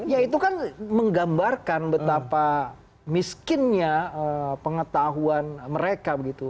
ya itu kan menggambarkan betapa miskinnya pengetahuan mereka begitu